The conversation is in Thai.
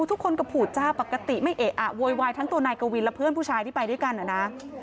ทุกคนก็ผูดจ้าปกติไม่เอะอะโวยวายทั้งตัวนายกวินและเพื่อนผู้ชายที่ไปด้วยกันนะ